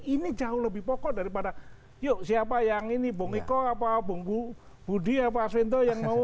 ini jauh lebih pokok daripada yuk siapa yang ini bung iko apa bung budi apa aswendo yang mau